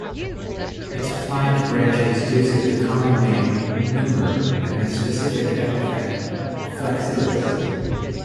Its pliant branches gives it the common name "limber" and specific epithet "flexilis".